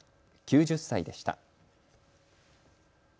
９０歳でした。